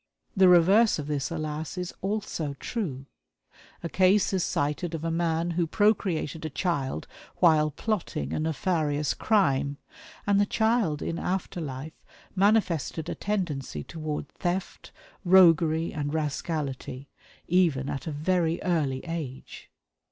The reverse of this, alas, is also true. A case is cited of a man who procreated a child while plotting a nefarious crime; and the child in after life manifested a tendency toward theft, roguery and rascality, even at a very early age.